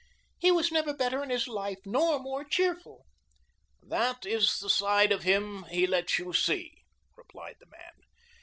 He was never better in his life nor more cheerful." "That's the side of him that he lets you see," replied the man.